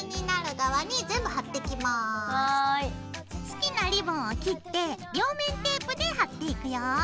好きなリボンを切って両面テープで貼っていくよ！